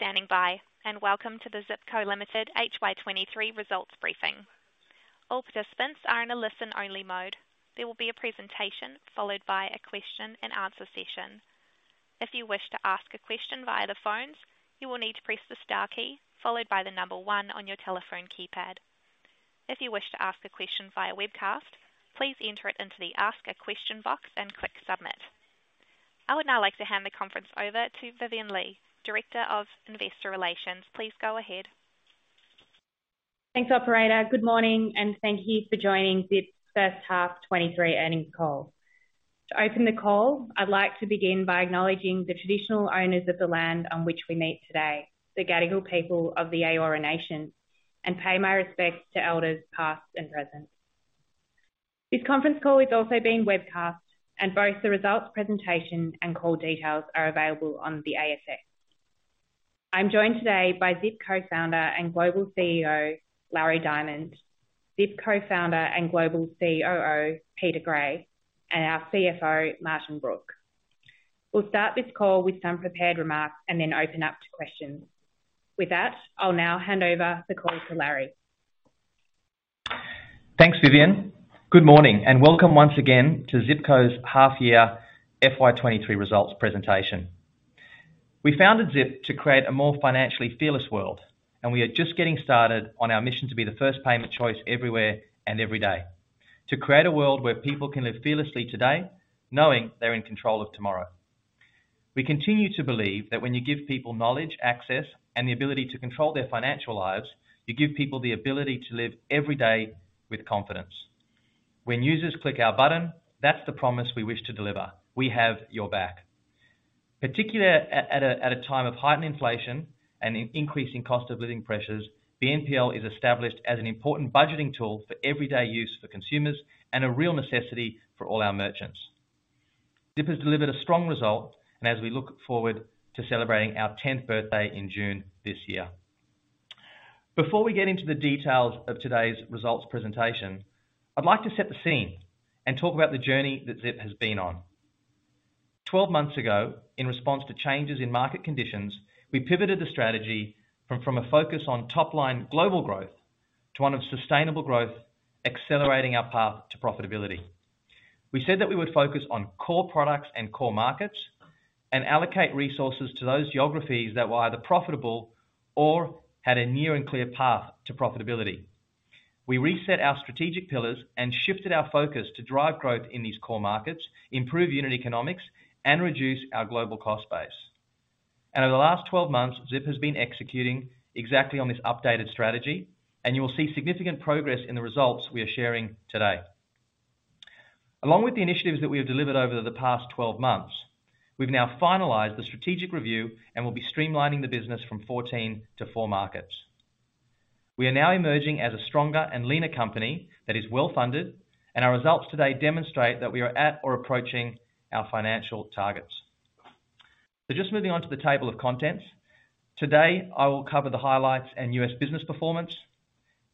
Thank you for standing by and welcome to the Zip Co Limited HY23 results briefing. All participants are in a listen only mode. There will be a presentation followed by a question and answer session. If you wish to ask a question via the phones, you will need to press the star key followed by the number one on your telephone keypad. If you wish to ask a question via webcast, please enter it into the Ask a Question box and click Submit. I would now like to hand the conference over to Vivienne Lee, Director of Investor Relations. Please go ahead. Thanks, operator. Good morning and thank you for joining Zip's first half 2023 earnings call. To open the call, I'd like to begin by acknowledging the traditional owners of the land on which we meet today, the Gadigal people of the Eora Nation, and pay my respects to elders, past and present. This conference call is also being webcast, and both the results, presentation, and call details are available on the ASX. I'm joined today by Zip Co-founder and Global CEO, Larry Diamond, Zip Co-founder and Global COO, Peter Gray, and our CFO, Martin Brooke. We'll start this call with some prepared remarks and then open up to questions. With that, I'll now hand over the call to Larry. Thanks, Vivian. Good morning and welcome once again to Zip Co's half year FY 2023 results presentation. We founded Zip to create a more financially fearless world, we are just getting started on our mission to be the first payment choice everywhere and every day, to create a world where people can live fearlessly today, knowing they're in control of tomorrow. We continue to believe that when you give people knowledge, access, and the ability to control their financial lives, you give people the ability to live every day with confidence. When users click our button, that's the promise we wish to deliver. We have your back. Particularly at a time of heightened inflation and increasing cost of living pressures, BNPL is established as an important budgeting tool for everyday use for consumers and a real necessity for all our merchants. Zip has delivered a strong result and as we look forward to celebrating our tenth birthday in June this year. Before we get into the details of today's results presentation, I'd like to set the scene and talk about the journey that Zip has been on. 12 months ago, in response to changes in market conditions, we pivoted the strategy from a focus on top-line global growth to one of sustainable growth, accelerating our path to profitability. We said that we would focus on core products and core markets and allocate resources to those geographies that were either profitable or had a near and clear path to profitability. We reset our strategic pillars and shifted our focus to drive growth in these core markets, improve unit economics and reduce our global cost base. Over the last 12 months, Zip has been executing exactly on this updated strategy, and you will see significant progress in the results we are sharing today. Along with the initiatives that we have delivered over the past 12 months, we've now finalized the strategic review and will be streamlining the business from 14 to 4 markets. We are now emerging as a stronger and leaner company that is well-funded and our results today demonstrate that we are at or approaching our financial targets. Just moving on to the table of contents. Today, I will cover the highlights and US business performance.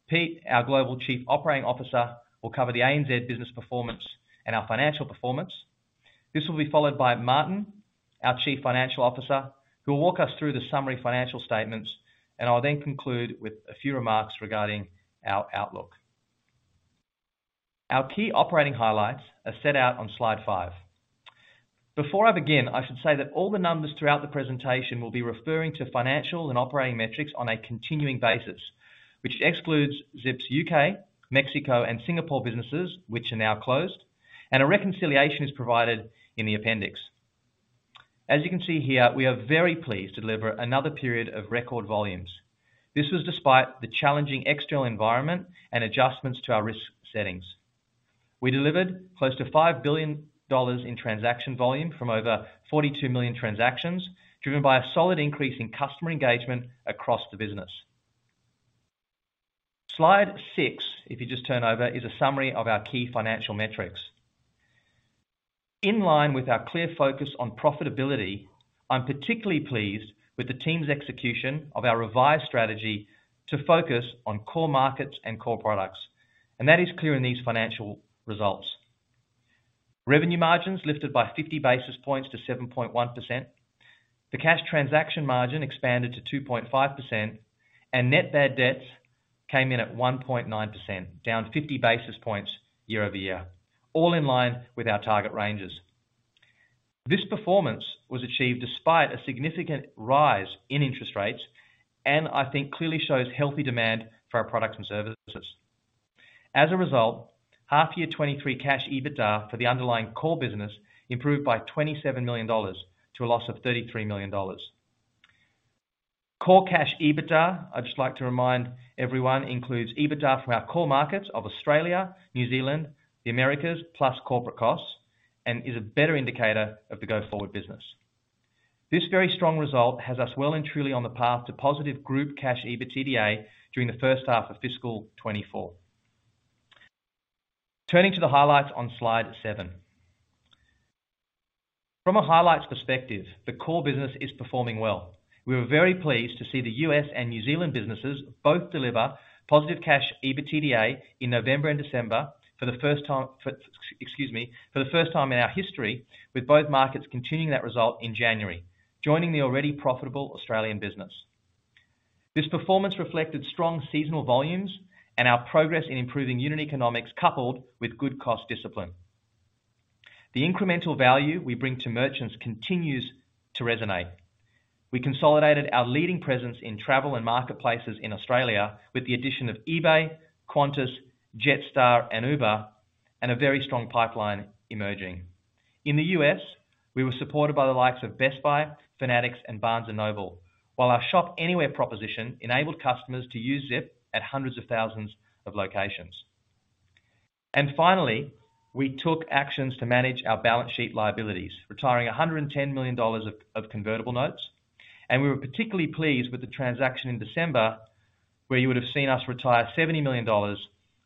Pete, our Global Chief Operating Officer, will cover the ANZ business performance and our financial performance. This will be followed by Martin, our Chief Financial Officer, who will walk us through the summary financial statements, and I'll then conclude with a few remarks regarding our outlook. Our key operating highlights are set out on slide five. Before I begin, I should say that all the numbers throughout the presentation will be referring to financial and operating metrics on a continuing basis, which excludes Zip's UK, Mexico and Singapore businesses, which are now closed, and a reconciliation is provided in the appendix. As you can see here, we are very pleased to deliver another period of record volumes. This was despite the challenging external environment and adjustments to our risk settings. We delivered close to 5 billion dollars in transaction volume from over 42 million transactions, driven by a solid increase in customer engagement across the business. Slide six, if you just turn over, is a summary of our key financial metrics. In line with our clear focus on profitability, I'm particularly pleased with the team's execution of our revised strategy to focus on core markets and core products. That is clear in these financial results. Revenue margins lifted by 50 basis points to 7.1%. The cash transaction margin expanded to 2.5% and net bad debts came in at 1.9%, down 50 basis points year-over-year, all in line with our target ranges. This performance was achieved despite a significant rise in interest rates and I think clearly shows healthy demand for our products and services. As a result, half year 2023 cash EBITDA for the underlying core business improved by $27 million to a loss of $33 million. Core cash EBITDA, I'd just like to remind everyone, includes EBITDA from our core markets of Australia, New Zealand, the Americas, plus corporate costs and is a better indicator of the go forward business. This very strong result has us well and truly on the path to positive group cash EBITDA during the first half of fiscal 2024. Turning to the highlights on slide 7. From a highlights perspective, the core business is performing well. We were very pleased to see the US and New Zealand businesses both deliver positive cash EBITDA in November and December for the first time, excuse me, for the first time in our history, with both markets continuing that result in January, joining the already profitable Australian business. This performance reflected strong seasonal volumes and our progress in improving unit economics, coupled with good cost discipline. The incremental value we bring to merchants continues to resonate. We consolidated our leading presence in travel and marketplaces in Australia with the addition of eBay, Qantas, Jetstar, and Uber, and a very strong pipeline emerging. In the US, we were supported by the likes of Best Buy, Fanatics and Barnes & Noble. While our Shop Anywhere proposition enabled customers to use Zip at hundreds of thousands of locations. Finally, we took actions to manage our balance sheet liabilities, retiring 110 million dollars of convertible notes. We were particularly pleased with the transaction in December, where you would have seen us retire 70 million dollars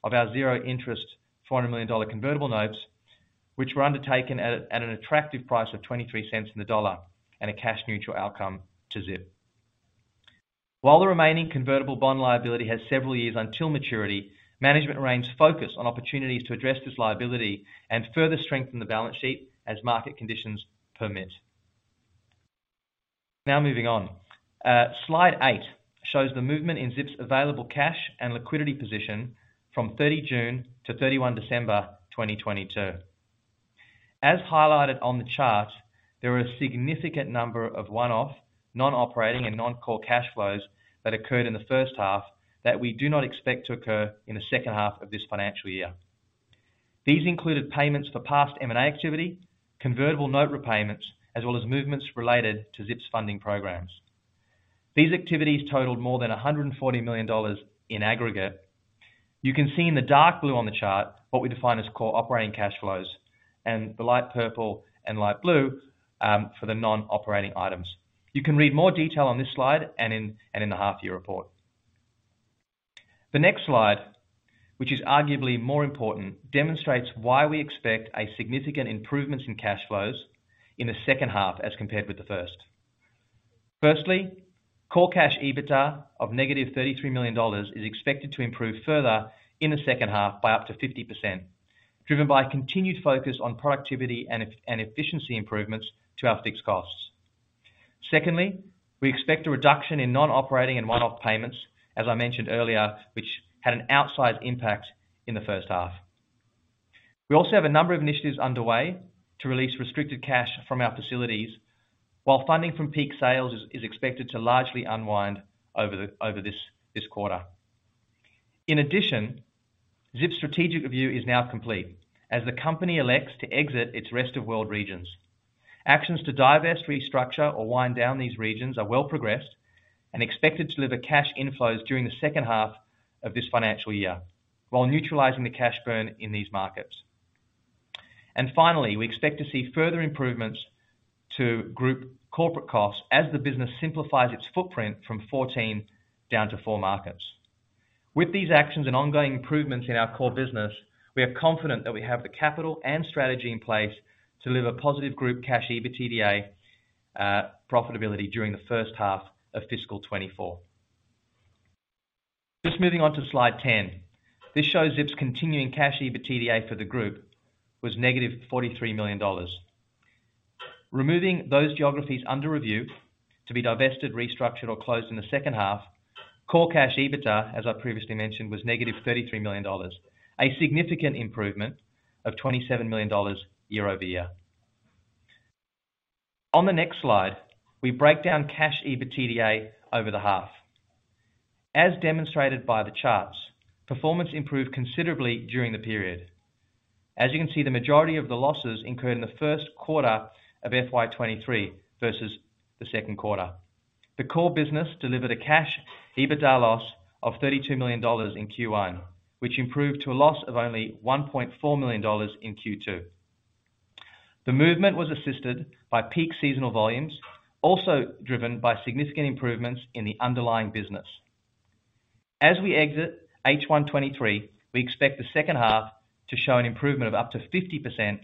of our zero interest 400 million dollar convertible notes, which were undertaken at an attractive price of 0.23 in the dollar and a cash neutral outcome to Zip. While the remaining convertible bond liability has several years until maturity, management remains focused on opportunities to address this liability and further strengthen the balance sheet as market conditions permit. Moving on. Slide eight shows the movement in Zip's available cash and liquidity position from 30 June to 31 December 2022. As highlighted on the chart, there are a significant number of one-off, non-operating and non-core cash flows that occurred in the first half that we do not expect to occur in the second half of this financial year. These included payments for past M&A activity, convertible note repayments, as well as movements related to Zip's funding programs. These activities totaled more than 140 million dollars in aggregate. You can see in the dark blue on the chart what we define as core operating cash flows, and the light purple and light blue for the non-operating items. You can read more detail on this slide and in the half year report. The next slide, which is arguably more important, demonstrates why we expect a significant improvements in cash flows in the second half as compared with the first. Firstly, core cash EBITDA of negative $33 million is expected to improve further in the second half by up to 50%, driven by continued focus on productivity and efficiency improvements to our fixed costs. Secondly, we expect a reduction in non-operating and one-off payments, as I mentioned earlier, which had an outsized impact in the first half. We also have a number of initiatives underway to release restricted cash from our facilities, while funding from peak sales is expected to largely unwind over this quarter. In addition, Zip's strategic review is now complete as the company elects to exit its rest of world regions. Actions to divest, restructure or wind down these regions are well progressed and expected to deliver cash inflows during the second half of this financial year, while neutralizing the cash burn in these markets. Finally, we expect to see further improvements to group corporate costs as the business simplifies its footprint from 14 down to four markets. With these actions and ongoing improvements in our core business, we are confident that we have the capital and strategy in place to deliver positive group cash EBITDA profitability during the first half of fiscal 2024. Just moving on to slide 10. This shows Zip's continuing cash EBITDA for the group was negative $43 million. Removing those geographies under review to be divested, restructured, or closed in the second half, core cash EBITDA, as I previously mentioned, was negative $33 million, a significant improvement of $27 million year-over-year. On the next slide, we break down cash EBITDA over the half. As demonstrated by the charts, performance improved considerably during the period. As you can see, the majority of the losses incurred in Q1 of FY23 versus Q2. The core business delivered a cash EBITDA loss of $32 million in Q1, which improved to a loss of only $1.4 million in Q2. The movement was assisted by peak seasonal volumes, also driven by significant improvements in the underlying business. As we exit H1 2023, we expect the second half to show an improvement of up to 50%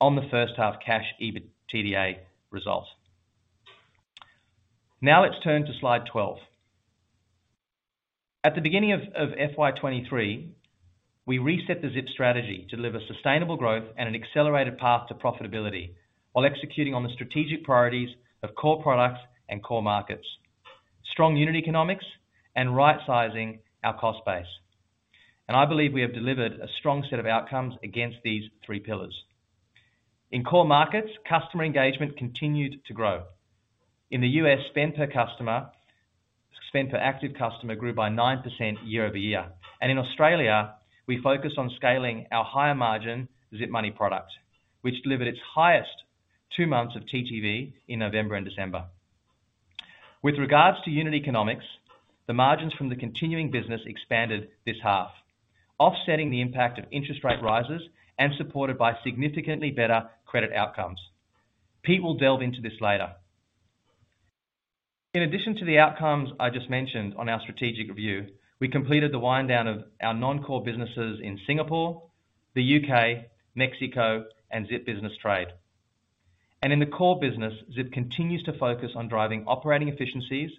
on the first half cash EBITDA results. Now let's turn to slide 12. At the beginning of FY 2023, we reset the Zip strategy to deliver sustainable growth and an accelerated path to profitability while executing on the strategic priorities of core products and core markets, strong unit economics and rightsizing our cost base. I believe we have delivered a strong set of outcomes against these three pillars. In core markets, customer engagement continued to grow. In the US, spend per active customer grew by 9% year-over-year. In Australia, we focused on scaling our higher margin Zip Money product, which delivered its highest 2 months of TTV in November and December. With regards to unit economics, the margins from the continuing business expanded this half, offsetting the impact of interest rate rises and supported by significantly better credit outcomes. Pete will delve into this later. In addition to the outcomes I just mentioned on our strategic review, we completed the wind down of our non-core businesses in Singapore, the U.K., Mexico and Zip Business Trade. In the core business, Zip continues to focus on driving operating efficiencies,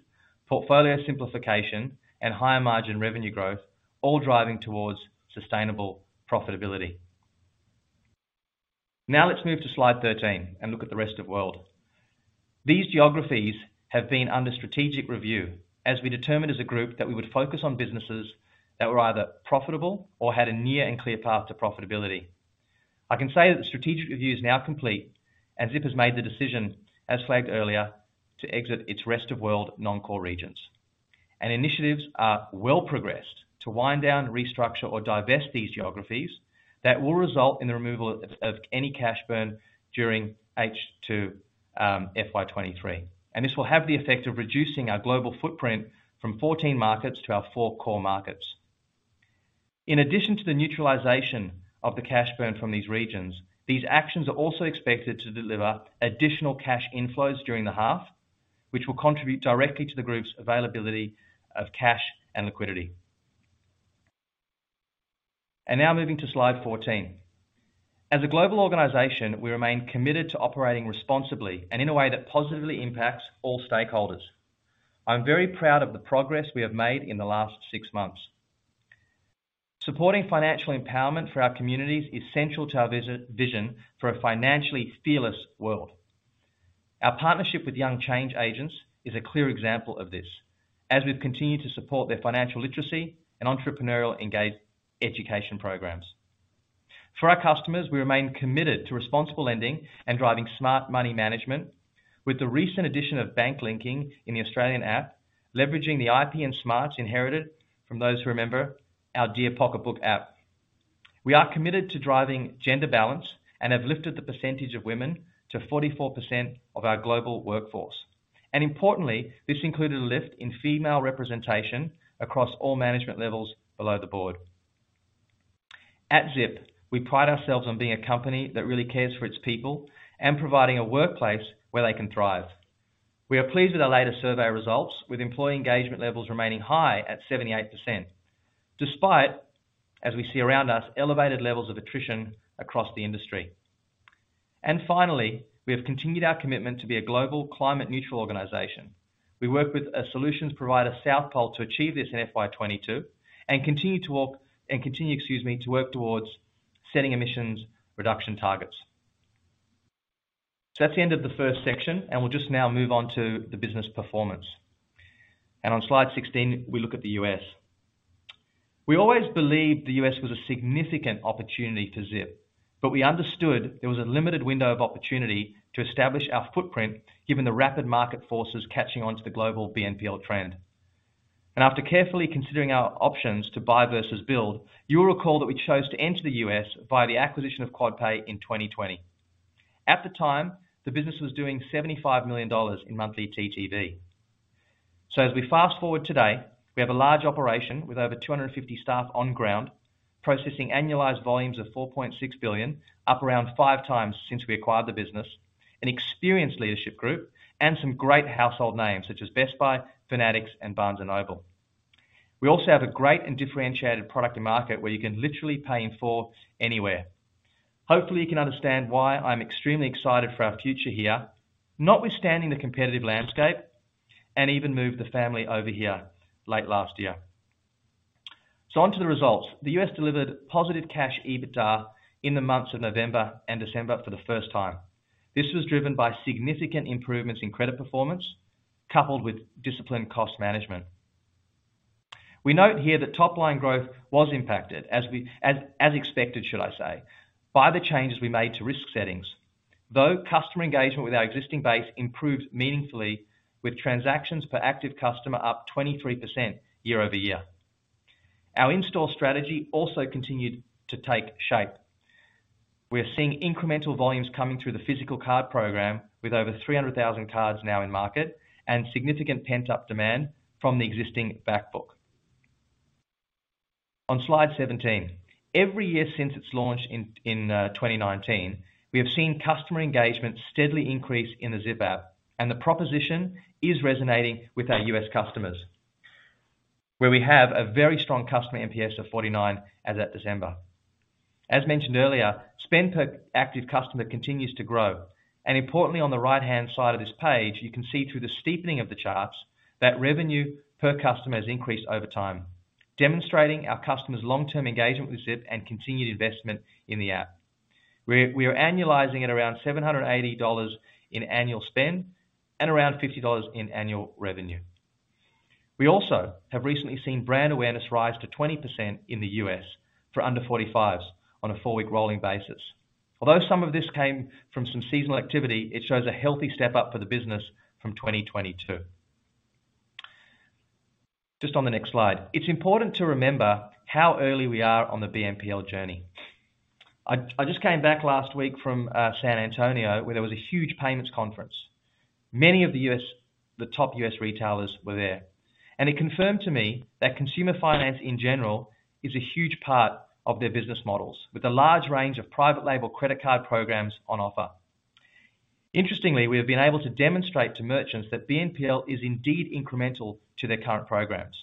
portfolio simplification and higher margin revenue growth, all driving towards sustainable profitability. Now let's move to slide 13 and look at the rest of world. These geographies have been under strategic review as we determined as a group that we would focus on businesses that were either profitable or had a near and clear path to profitability. I can say that the strategic review is now complete as Zip has made the decision, as flagged earlier, to exit its rest of world non-core regions. Initiatives are well progressed to wind down, restructure, or divest these geographies that will result in the removal of any cash burn during H2 FY23. This will have the effect of reducing our global footprint from 14 markets to our four core markets. In addition to the neutralization of the cash burn from these regions, these actions are also expected to deliver additional cash inflows during the half, which will contribute directly to the group's availability of cash and liquidity. Now moving to slide 14. As a global organization, we remain committed to operating responsibly and in a way that positively impacts all stakeholders. I'm very proud of the progress we have made in the last 6 months. Supporting financial empowerment for our communities is central to our vision for a financially fearless world. Our partnership with Young Change Agents is a clear example of this, as we've continued to support their financial literacy and entrepreneurial education programs. For our customers, we remain committed to responsible lending and driving smart money management with the recent addition of bank linking in the Australian app, leveraging the IP and smarts inherited from those who remember our dear Pocketbook app. We are committed to driving gender balance and have lifted the percentage of women to 44% of our global workforce. Importantly, this included a lift in female representation across all management levels below the board. At Zip, we pride ourselves on being a company that really cares for its people and providing a workplace where they can thrive. We are pleased with our latest survey results, with employee engagement levels remaining high at 78%, despite, as we see around us, elevated levels of attrition across the industry. Finally, we have continued our commitment to be a global climate neutral organization. We work with a solutions provider, South Pole, to achieve this in FY 2022 and continue, excuse me, to work towards setting emissions reduction targets. That's the end of the first section, and we'll just now move on to the business performance. On slide 16, we look at the U.S. We always believed the U.S. was a significant opportunity for Zip, but we understood there was a limited window of opportunity to establish our footprint given the rapid market forces catching on to the global BNPL trend. After carefully considering our options to buy versus build, you will recall that we chose to enter the U.S. via the acquisition of Quadpay in 2020. At the time, the business was doing $75 million in monthly TTV. As we fast-forward today, we have a large operation with over 250 staff on ground, processing annualized volumes of $4.6 billion, up around five times since we acquired the business, an experienced leadership group, and some great household names such as Best Buy, Fanatics, and Barnes & Noble. We also have a great and differentiated product to market where you can literally pay in full anywhere. Hopefully, you can understand why I'm extremely excited for our future here, notwithstanding the competitive landscape, and even moved the family over here late last year. On to the results. The US delivered positive cash EBITDA in the months of November and December for the first time. This was driven by significant improvements in credit performance, coupled with disciplined cost management. We note here that top line growth was impacted as expected, should I say, by the changes we made to risk settings. Customer engagement with our existing base improved meaningfully with transactions per active customer up 23% year-over-year. Our install strategy also continued to take shape. We are seeing incremental volumes coming through the physical card program with over 300,000 cards now in market and significant pent-up demand from the existing back book. On slide 17. Every year since its launch in 2019, we have seen customer engagement steadily increase in the Zip app. The proposition is resonating with our US customers, where we have a very strong customer NPS of 49 as at December. As mentioned earlier, spend per active customer continues to grow. Importantly, on the right-hand side of this page, you can see through the steepening of the charts that revenue per customer has increased over time, demonstrating our customers' long-term engagement with Zip and continued investment in the app. We are annualizing at around $780 in annual spend and around $50 in annual revenue. We also have recently seen brand awareness rise to 20% in the US for under 45s on a 4-week rolling basis. Although some of this came from some seasonal activity, it shows a healthy step-up for the business from 2022. Just on the next slide. It's important to remember how early we are on the BNPL journey. I just came back last week from San Antonio, where there was a huge payments conference. Many of the U.S., the top U.S. retailers were there. It confirmed to me that consumer finance, in general, is a huge part of their business models with a large range of private label credit card programs on offer. Interestingly, we have been able to demonstrate to merchants that BNPL is indeed incremental to their current programs.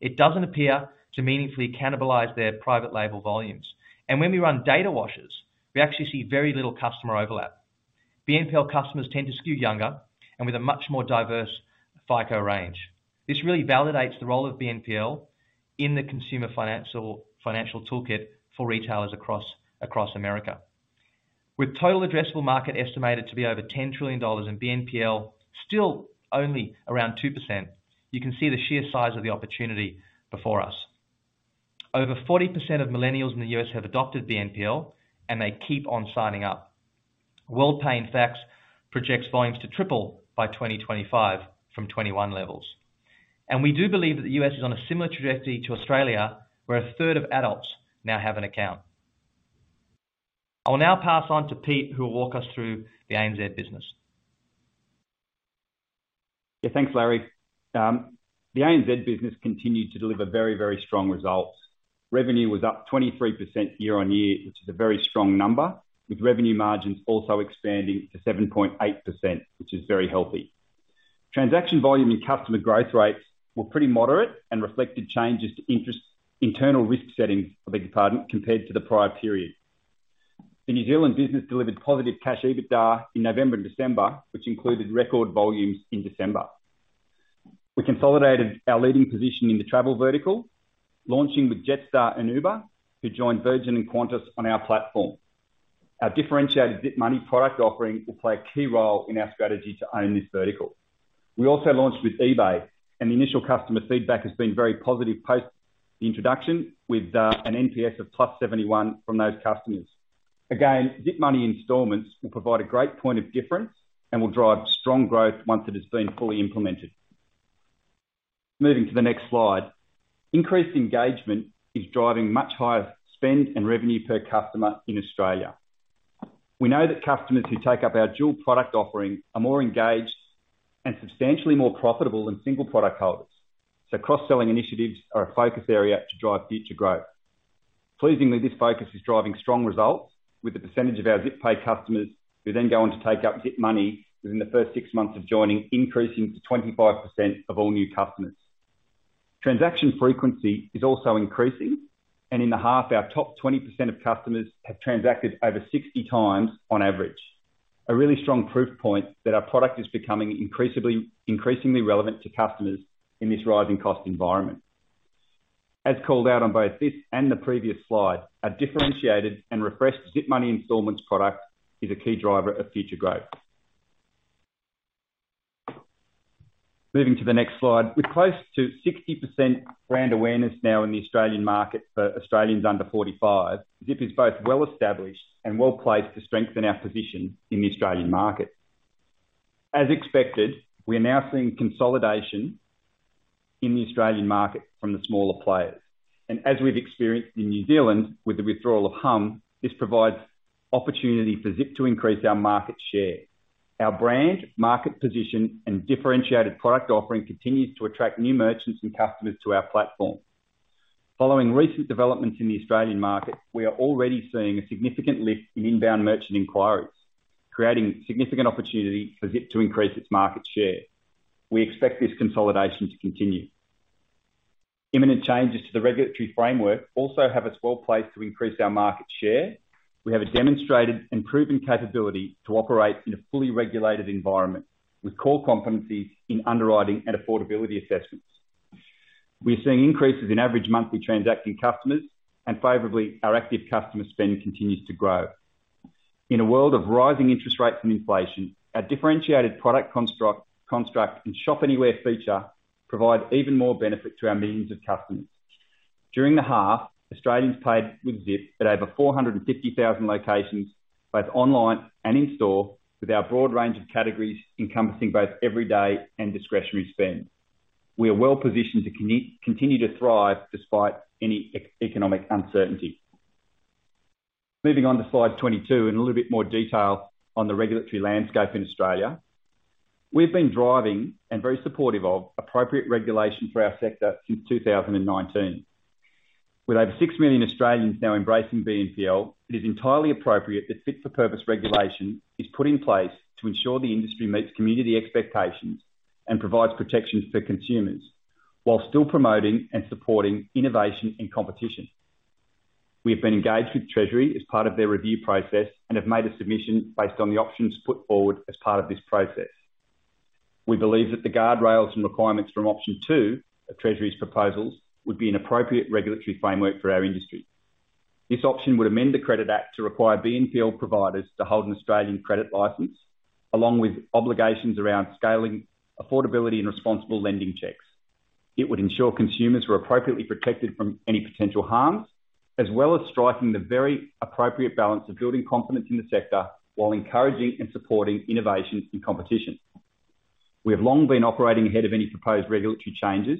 It doesn't appear to meaningfully cannibalize their private label volumes. When we run data washes, we actually see very little customer overlap. BNPL customers tend to skew younger and with a much more diverse FICO range. This really validates the role of BNPL in the consumer financial toolkit for retailers across America. With total addressable market estimated to be over $10 trillion, and BNPL still only around 2%, you can see the sheer size of the opportunity before us. Over 40% of millennials in the US have adopted BNPL, and they keep on signing up. Worldpay in fact projects volumes to triple by 2025 from 2021 levels. We do believe that the US is on a similar trajectory to Australia, where a third of adults now have an account. I will now pass on to Pete, who will walk us through the ANZ business. Yeah. Thanks, Larry. The ANZ business continued to deliver very, very strong results. Revenue was up 23% year-on-year, which is a very strong number, with revenue margins also expanding to 7.8%, which is very healthy. Transaction volume and customer growth rates were pretty moderate and reflected changes to internal risk settings, beg your pardon, compared to the prior period. The New Zealand business delivered positive cash EBITDA in November and December, which included record volumes in December. We consolidated our leading position in the travel vertical, launching with Jetstar and Uber, who joined Virgin and Qantas on our platform. Our differentiated Zip Money product offering will play a key role in our strategy to own this vertical. We also launched with eBay, and the initial customer feedback has been very positive post the introduction with an NPS of +71 from those customers. Zip Money installments will provide a great point of difference and will drive strong growth once it has been fully implemented. Moving to the next slide. Increased engagement is driving much higher spend and revenue per customer in Australia. We know that customers who take up our dual product offering are more engaged and substantially more profitable than single product holders. Cross-selling initiatives are a focus area to drive future growth. Pleasingly, this focus is driving strong results with a percentage of our Zip Pay customers who then go on to take up Zip Money within the first six months of joining, increasing to 25% of all new customers. Transaction frequency is also increasing, and in the half, our top 20% of customers have transacted over 60 times on average. A really strong proof point that our product is becoming increasingly relevant to customers in this rising cost environment. As called out on both this and the previous slide, our differentiated and refreshed Zip Money installments product is a key driver of future growth. Moving to the next slide. With close to 60% brand awareness now in the Australian market for Australians under 45, Zip is both well-established and well-placed to strengthen our position in the Australian market. As expected, we are now seeing consolidation in the Australian market from the smaller players. As we've experienced in New Zealand with the withdrawal of Humm, this provides opportunity for Zip to increase our market share. Our brand, market position, and differentiated product offering continues to attract new merchants and customers to our platform. Following recent developments in the Australian market, we are already seeing a significant lift in inbound merchant inquiries, creating significant opportunity for Zip to increase its market share. We expect this consolidation to continue. Imminent changes to the regulatory framework also have us well placed to increase our market share. We have a demonstrated and proven capability to operate in a fully regulated environment with core competencies in underwriting and affordability assessments. We are seeing increases in average monthly transacting customers, and favorably, our active customer spend continues to grow. In a world of rising interest rates and inflation, our differentiated product construct and Shop Anywhere feature provide even more benefit to our millions of customers. During the half, Australians paid with Zip at over 450,000 locations, both online and in store, with our broad range of categories encompassing both everyday and discretionary spend. We are well-positioned to continue to thrive despite any economic uncertainty. Moving on to slide 22, a little bit more detail on the regulatory landscape in Australia. We've been driving and very supportive of appropriate regulation for our sector since 2019. With over 6 million Australians now embracing BNPL, it is entirely appropriate that fit for purpose regulation is put in place to ensure the industry meets community expectations and provides protections for consumers while still promoting and supporting innovation and competition. We have been engaged with Treasury as part of their review process and have made a submission based on the options put forward as part of this process. We believe that the guardrails and requirements from option 2 of Treasury's proposals would be an appropriate regulatory framework for our industry. This option would amend the Credit Act to require BNPL providers to hold an Australian credit license, along with obligations around scaling, affordability, and responsible lending checks. It would ensure consumers were appropriately protected from any potential harms, as well as striking the very appropriate balance of building confidence in the sector while encouraging and supporting innovation and competition. We have long been operating ahead of any proposed regulatory changes.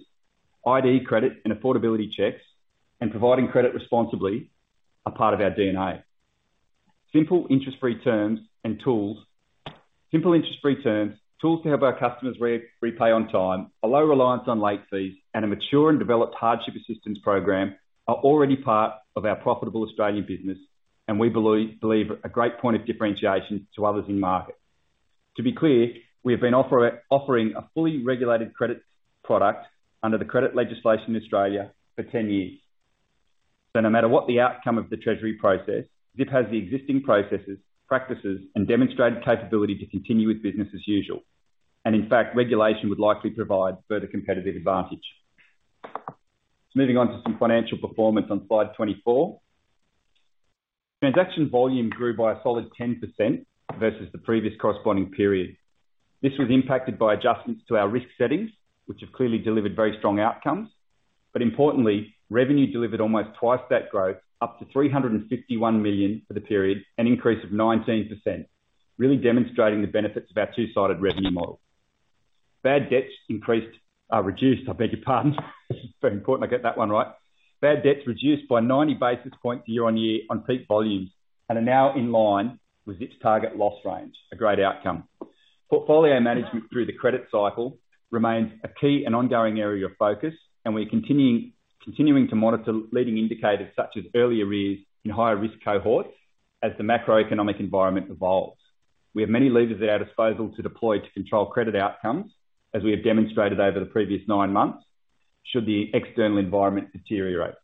ID credit and affordability checks, and providing credit responsibly are part of our DNA. Simple interest-free terms, tools to help our customers repay on time, a low reliance on late fees, and a mature and developed hardship assistance program are already part of our profitable Australian business, and we believe, a great point of differentiation to others in market. To be clear, we have been offering a fully regulated credit product under the credit legislation in Australia for 10 years. No matter what the outcome of the treasury process, Zip has the existing processes, practices, and demonstrated capability to continue with business as usual. In fact, regulation would likely provide further competitive advantage. Moving on to some financial performance on slide 24. Transaction volume grew by a solid 10% versus the previous corresponding period. This was impacted by adjustments to our risk settings, which have clearly delivered very strong outcomes. Importantly, revenue delivered almost twice that growth, up to 351 million for the period, an increase of 19%, really demonstrating the benefits of our two-sided revenue model. Bad debts increased, reduced, I beg your pardon. It's very important I get that one right. Bad debts reduced by 90 basis points year-on-year on peak volumes, and are now in line with Zip's target loss range. A great outcome. Portfolio management through the credit cycle remains a key and ongoing area of focus, and we're continuing to monitor leading indicators such as early arrears and higher risk cohorts as the macroeconomic environment evolves. We have many levers at our disposal to deploy to control credit outcomes, as we have demonstrated over the previous 9 months, should the external environment deteriorate.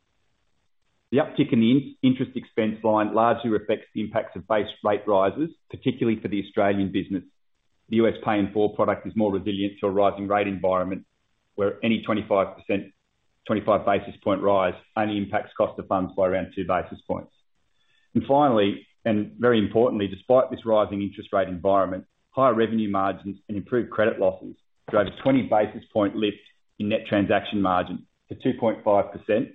The uptick in the interest expense line largely reflects the impacts of base rate rises, particularly for the Australian business. The U.S. pay in full product is more resilient to a rising rate environment, where any 25%, 25 basis point rise only impacts cost of funds by around 2 basis points. Finally, and very importantly, despite this rising interest rate environment, higher revenue margins and improved credit losses drove a 20 basis point lift in net transaction margin to 2.5%,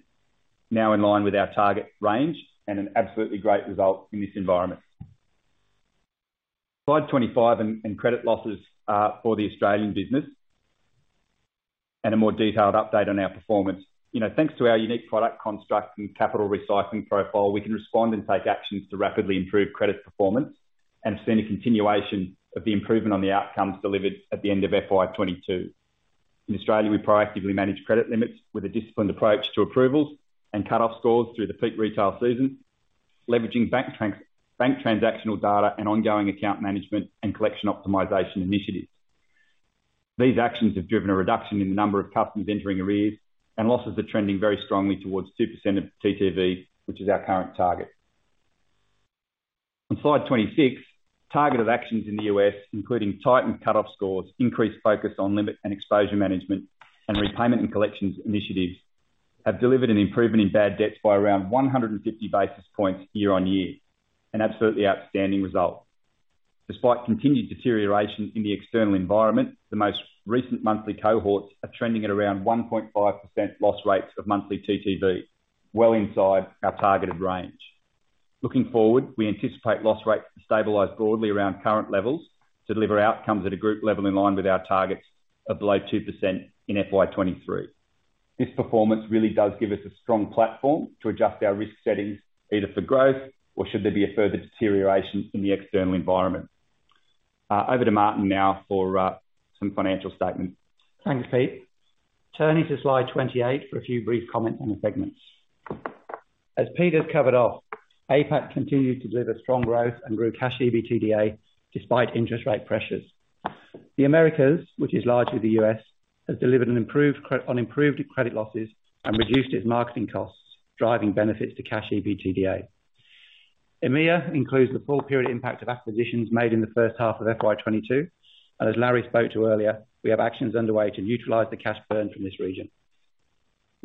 now in line with our target range and an absolutely great result in this environment. Slide 25 and credit losses for the Australian business and a more detailed update on our performance. You know, thanks to our unique product construct and capital recycling profile, we can respond and take actions to rapidly improve credit performance and have seen a continuation of the improvement on the outcomes delivered at the end of FY22. In Australia, we proactively manage credit limits with a disciplined approach to approvals and cut off scores through the peak retail season, leveraging bank transactional data and ongoing account management and collection optimization initiatives. These actions have driven a reduction in the number of customers entering arrears, and losses are trending very strongly towards 2% of TTV, which is our current target. On slide 26, targeted actions in the US, including tightened cut off scores, increased focus on limit and exposure management, and repayment and collections initiatives, have delivered an improvement in bad debts by around 150 basis points year-on-year. An absolutely outstanding result. Despite continued deterioration in the external environment, the most recent monthly cohorts are trending at around 1.5% loss rates of monthly TTV, well inside our targeted range. Looking forward, we anticipate loss rates to stabilize broadly around current levels to deliver outcomes at a group level in line with our targets of below 2% in FY 2023. This performance really does give us a strong platform to adjust our risk settings either for growth or should there be a further deterioration in the external environment. Over to Martin now for some financial statements. Thanks, Pete. Turning to slide 28 for a few brief comments on the segments. As Pete has covered off, APAC continued to deliver strong growth and grew cash EBITDA despite interest rate pressures. The Americas, which is largely the U.S., has delivered an improved on improved credit losses and reduced its marketing costs, driving benefits to cash EBITDA. EMEA includes the full period impact of acquisitions made in the first half of FY 2022, as Larry spoke to earlier, we have actions underway to neutralize the cash burn from this region.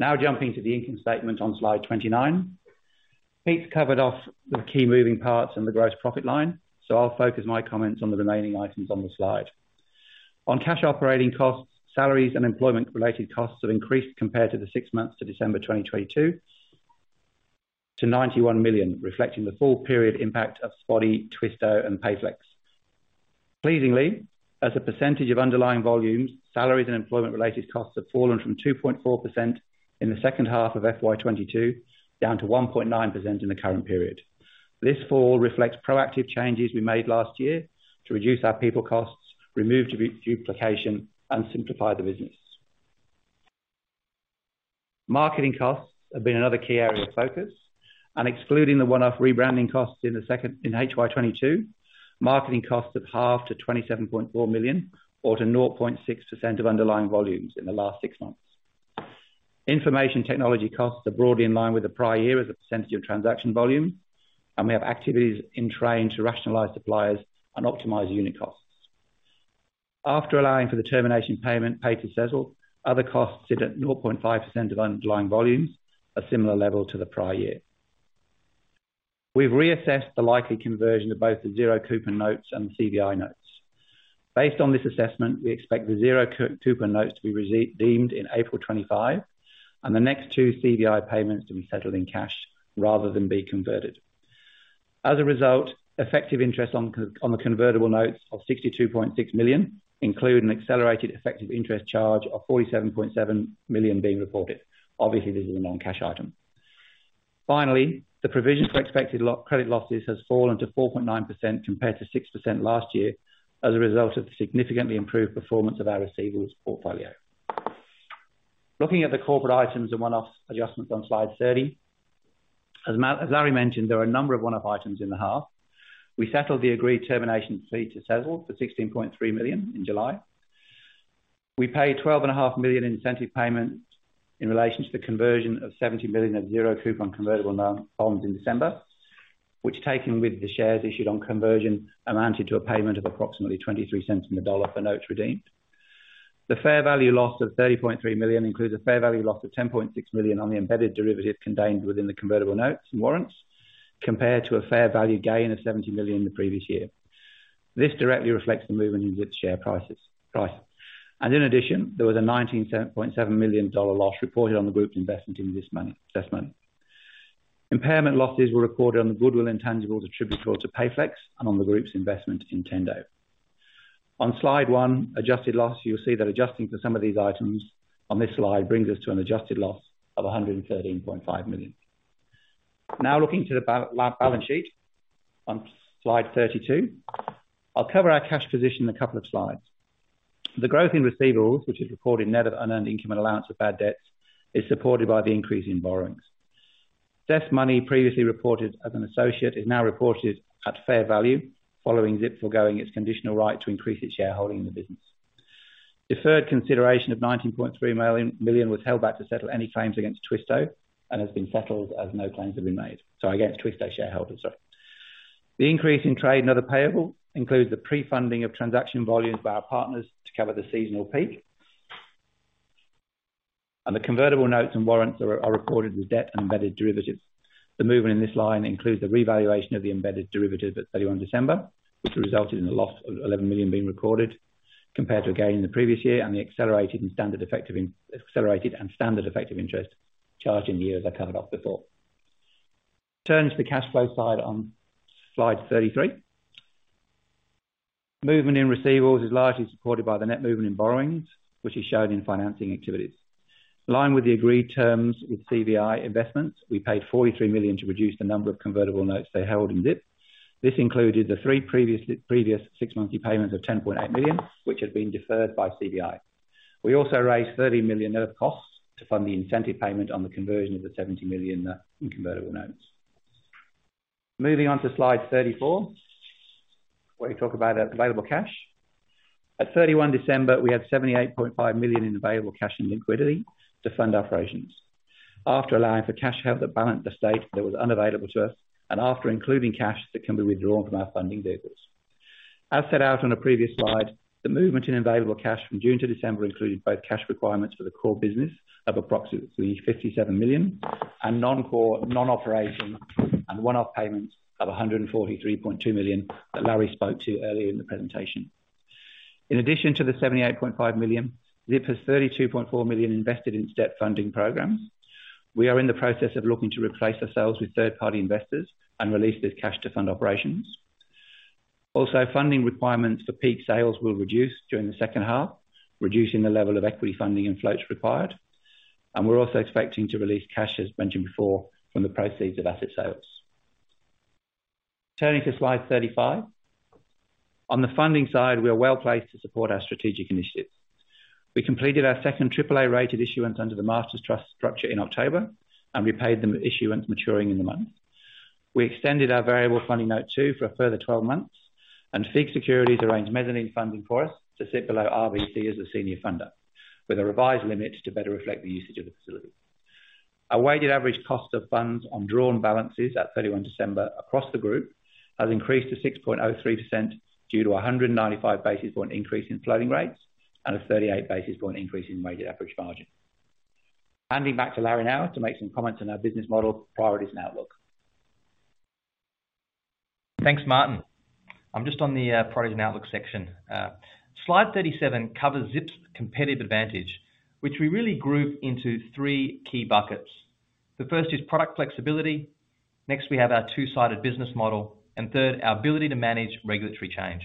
Jumping to the income statement on slide 29. Pete's covered off the key moving parts and the gross profit line, I'll focus my comments on the remaining items on the slide. On cash operating costs, salaries and employment-related costs have increased compared to the six months to December 2022 to 91 million, reflecting the full period impact of Spotii, Twisto and Payflex. Pleasingly, as a percentage of underlying volumes, salaries and employment-related costs have fallen from 2.4% in the second half of FY 2022 down to 1.9% in the current period. This fall reflects proactive changes we made last year to reduce our people costs, remove duplication, and simplify the business. Marketing costs have been another key area of focus, excluding the one-off rebranding costs in HY 2022, marketing costs have halved to 27.4 million or to 0.6% of underlying volumes in the last six months. Information technology costs are broadly in line with the prior year as a percentage of transaction volume, and we have activities in train to rationalize suppliers and optimize unit costs. After allowing for the termination payment paid to Sezzle, other costs sit at 0.5% of underlying volumes, a similar level to the prior year. We've reassessed the likely conversion of both the zero coupon notes and the CVI notes. Based on this assessment, we expect the zero coupon notes to be redeemed in April 2025 and the next two CVI payments to be settled in cash rather than be converted. As a result, effective interest on the convertible notes of $62.6 million include an accelerated effective interest charge of $47.7 million being reported. Obviously, this is a non-cash item. Finally, the provision for expected credit losses has fallen to 4.9% compared to 6% last year as a result of the significantly improved performance of our receivables portfolio. Looking at the corporate items and one-off adjustments on slide 30. As Larry mentioned, there are a number of one-off items in the half. We settled the agreed termination fee to Sezzle for 16.3 million in July. We paid $12.5 million incentive payment in relation to the conversion of $70 million of zero coupon convertible notes in December, which taken with the shares issued on conversion, amounted to a payment of approximately $0.23 in the dollar for notes redeemed. The fair value loss of 30.3 million includes a fair value loss of 10.6 million on the embedded derivative contained within the convertible notes and warrants, compared to a fair value gain of 70 million the previous year. This directly reflects the movement in Zip's share prices. In addition, there was an 19.7 million dollar loss reported on the group's investment in this month. Impairment losses were recorded on the goodwill intangibles attributable to Payflex and on the group's investment in Tendo. On slide 1, adjusted loss. You'll see that adjusting for some of these items on this slide brings us to an adjusted loss of 113.5 million. Looking to the balance sheet on slide 32, I'll cover our cash position in a couple of slides. The growth in receivables, which is reported net of unearned income and allowance of bad debts, is supported by the increase in borrowings. ZestMoney previously reported as an associate is now reported at fair value following Zip foregoing its conditional right to increase its shareholding in the business. Deferred consideration of 19.3 million was held back to settle any claims against Twisto and has been settled as no claims have been made. Sorry, against Twisto shareholders. The increase in trade and other payable includes the pre-funding of transaction volumes by our partners to cover the seasonal peak. The convertible notes and warrants are reported as debt and embedded derivatives. The movement in this line includes the revaluation of the embedded derivative at 31 December, which resulted in a loss of 11 million being recorded compared to a gain in the previous year and the accelerated and standard effective interest charged in the year as I covered off before. Turn to the cash flow side on slide 33. Movement in receivables is largely supported by the net movement in borrowings, which is shown in financing activities. In line with the agreed terms with CVI Investments, we paid 43 million to reduce the number of convertible notes they held in Zip. This included the 3 previous 6 monthly payments of 10.8 million, which had been deferred by CVI. We also raised 30 million net of costs to fund the incentive payment on the conversion of the 70 million in convertible notes. Moving on to slide 34, where we talk about our available cash. At 31 December, we had 78.5 million in available cash and liquidity to fund operations. After allowing for cash to help the balance at the state that was unavailable to us and after including cash that can be withdrawn from our funding vehicles. As set out on a previous slide, the movement in available cash from June to December included both cash requirements for the core business of approximately 57 million and non-core, non-operating and one-off payments of 143.2 million that Larry spoke to earlier in the presentation. In addition to the 78.5 million, Zip has 32.4 million invested in debt funding programs. We are in the process of looking to replace ourselves with third-party investors and release this cash to fund operations. Also, funding requirements for peak sales will reduce during the second half, reducing the level of equity funding and floats required. We're also expecting to release cash, as mentioned before, from the proceeds of asset sales. Turning to slide 35. On the funding side, we are well-placed to support our strategic initiatives. We completed our second triple A rated issuance under the masters trust structure in October, and repaid the issuance maturing in the month. We extended our variable funding note two for a further 12 months, FIIG Securities arranged mezzanine funding for us to sit below RBC as the senior funder, with a revised limit to better reflect the usage of the facility. Our weighted average cost of funds on drawn balances at 31 December across the group has increased to 6.03% due to a 195 basis point increase in floating rates and a 38 basis point increase in weighted average margin. Handing back to Larry now to make some comments on our business model, priorities, and outlook. Thanks, Martin. I'm just on the priorities and outlook section. Slide 37 covers Zip's competitive advantage, which we really group into three key buckets. The first is product flexibility. Next, we have our two-sided business model. Third, our ability to manage regulatory change.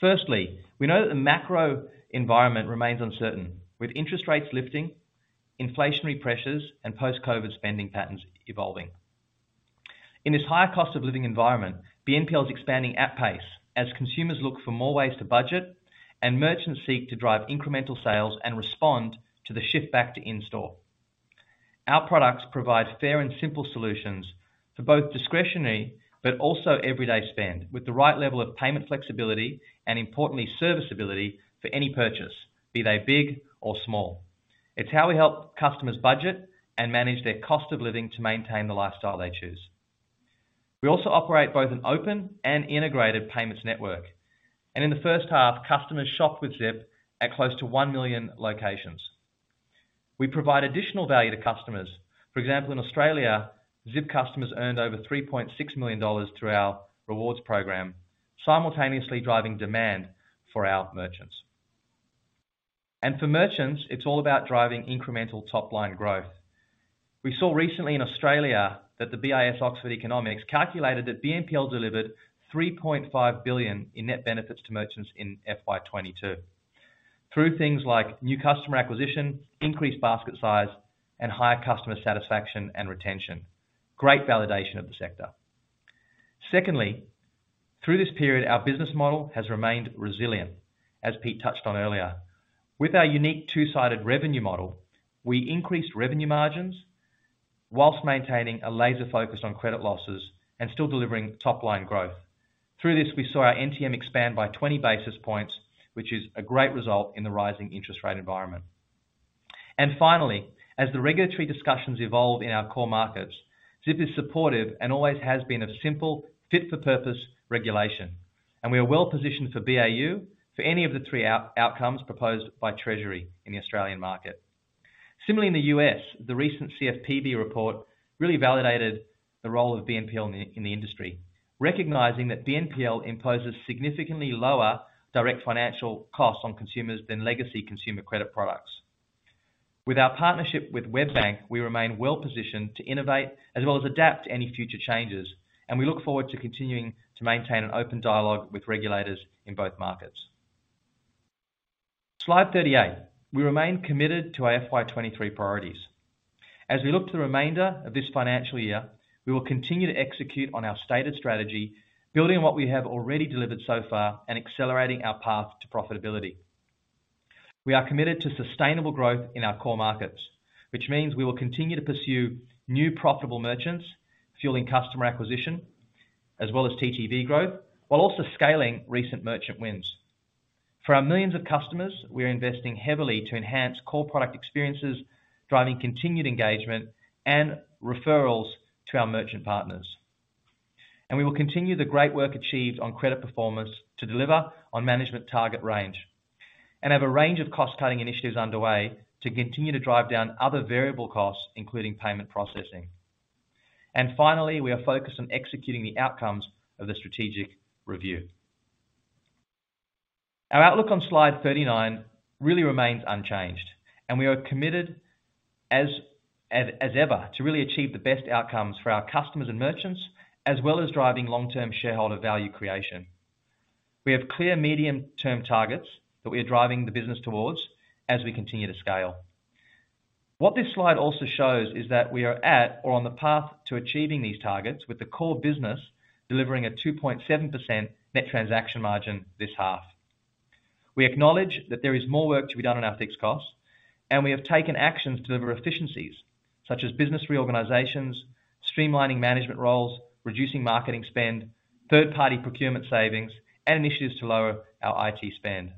Firstly, we know that the macro environment remains uncertain, with interest rates lifting, inflationary pressures, and post-COVID spending patterns evolving. In this higher cost of living environment, BNPL is expanding at pace as consumers look for more ways to budget and merchants seek to drive incremental sales and respond to the shift back to in-store. Our products provide fair and simple solutions for both discretionary but also everyday spend, with the right level of payment flexibility and importantly serviceability for any purchase, be they big or small. It's how we help customers budget and manage their cost of living to maintain the lifestyle they choose. We also operate both an open and integrated payments network, and in the first half, customers shopped with Zip at close to 1 million locations. We provide additional value to customers. For example, in Australia, Zip customers earned over 3.6 million dollars through our rewards program, simultaneously driving demand for our merchants. For merchants, it's all about driving incremental top-line growth. We saw recently in Australia that the BIS Oxford Economics calculated that BNPL delivered 3.5 billion in net benefits to merchants in FY22. Through things like new customer acquisition, increased basket size, and higher customer satisfaction and retention. Great validation of the sector. Secondly, through this period, our business model has remained resilient, as Pete touched on earlier. With our unique two-sided revenue model, we increased revenue margins whilst maintaining a laser focus on credit losses and still delivering top-line growth. Through this, we saw our NTM expand by 20 basis points, which is a great result in the rising interest rate environment. Finally, as the regulatory discussions evolve in our core markets, Zip is supportive and always has been a simple fit for purpose regulation. We are well positioned for BAU for any of the three outcomes proposed by Treasury in the Australian market. Similarly, in the US, the recent CFPB report really validated the role of BNPL in the industry, recognizing that BNPL imposes significantly lower direct financial costs on consumers than legacy consumer credit products. With our partnership with WebBank, we remain well positioned to innovate as well as adapt to any future changes. We look forward to continuing to maintain an open dialogue with regulators in both markets. Slide 38. We remain committed to our FY 2023 priorities. As we look to the remainder of this financial year, we will continue to execute on our stated strategy, building what we have already delivered so far and accelerating our path to profitability. We are committed to sustainable growth in our core markets, which means we will continue to pursue new profitable merchants, fueling customer acquisition as well as TTV growth, while also scaling recent merchant wins. For our millions of customers, we are investing heavily to enhance core product experiences, driving continued engagement and referrals to our merchant partners. We will continue the great work achieved on credit performance to deliver on management target range and have a range of cost-cutting initiatives underway to continue to drive down other variable costs, including payment processing. Finally, we are focused on executing the outcomes of the strategic review. Our outlook on slide 39 really remains unchanged, and we are committed as ever to really achieve the best outcomes for our customers and merchants, as well as driving long-term shareholder value creation. We have clear medium-term targets that we are driving the business towards as we continue to scale. What this slide also shows is that we are at or on the path to achieving these targets, with the core business delivering a 2.7% net transaction margin this half. We acknowledge that there is more work to be done on our fixed costs, and we have taken actions to deliver efficiencies such as business reorganizations, streamlining management roles, reducing marketing spend, third-party procurement savings, and initiatives to lower our IT spend.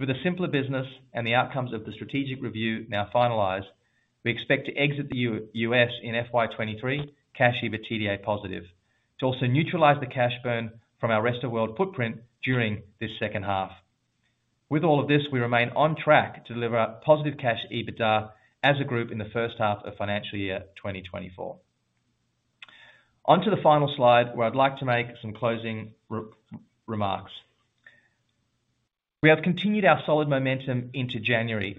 With a simpler business and the outcomes of the strategic review now finalized, we expect to exit the US in FY 2023, cash EBITDA positive, to also neutralize the cash burn from our Rest of World footprint during this second half. With all of this, we remain on track to deliver positive cash EBITDA as a group in the first half of financial year 2024. On to the final slide, where I'd like to make some closing re-remarks. We have continued our solid momentum into January,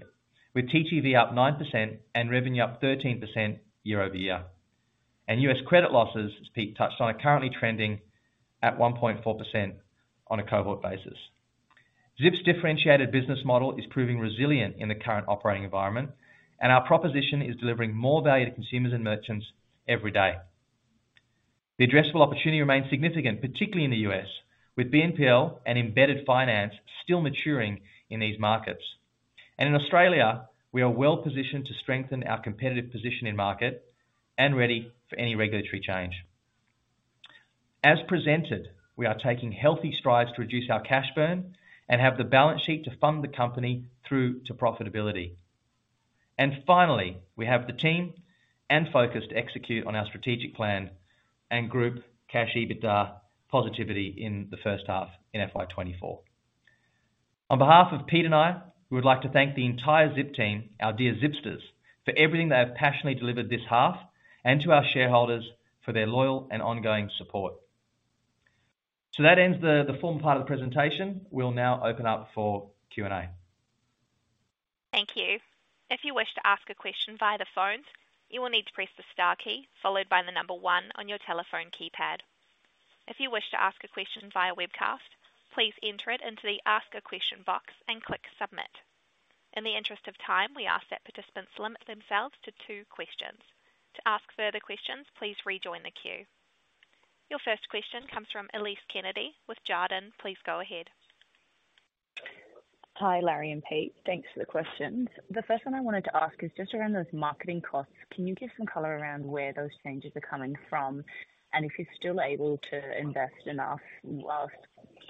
with TTV up 9% and revenue up 13% year-over-year. US credit losses, as Pete touched on, are currently trending at 1.4% on a cohort basis. Zip's differentiated business model is proving resilient in the current operating environment, and our proposition is delivering more value to consumers and merchants every day. The addressable opportunity remains significant, particularly in the U.S., with BNPL and embedded finance still maturing in these markets. In Australia, we are well positioned to strengthen our competitive position in market and ready for any regulatory change. As presented, we are taking healthy strides to reduce our cash burn and have the balance sheet to fund the company through to profitability. Finally, we have the team and focus to execute on our strategic plan and group cash EBITDA positivity in the first half in FY 2024. On behalf of Pete and I, we would like to thank the entire Zip team, our dear Zipsters, for everything they have passionately delivered this half, and to our shareholders for their loyal and ongoing support. That ends the formal part of the presentation. We'll now open up for Q&A. Thank you. If you wish to ask a question via the phones, you will need to press the star key followed by the 1 on your telephone keypad. If you wish to ask a question via webcast, please enter it into the ask a question box and click Submit. In the interest of time, we ask that participants limit themselves to 2 questions. To ask further questions, please rejoin the queue. Your first question comes from Elise Kennedy with Jarden. Please go ahead. Hi, Larry and Pete. Thanks for the questions. The first one I wanted to ask is just around those marketing costs. Can you give some color around where those changes are coming from? If you're still able to invest enough